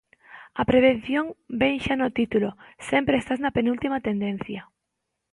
A prevención vén xa no título, sempre estás na penúltima tendencia.